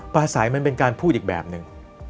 สายมันเป็นการพูดอีกแบบหนึ่ง